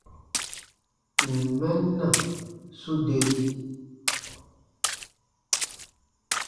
Ǹ n mɛn na, su deri.